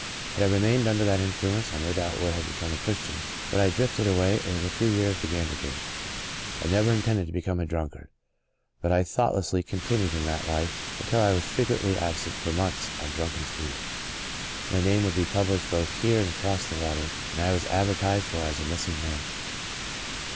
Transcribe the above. Had I remained under that influence I no doubt would have become a Christian but I drifted away and in a few years began to drink. I never intended to become a drunkard, but I thoughtlessly con tinued in that life until I w^as frequently ab sent for months on drunken sprees. My name w^ould be published both here and across the water and I was advertised for as a missing man.